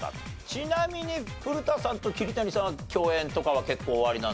ちなみに古田さんと桐谷さんは共演とかは結構おありなんですか？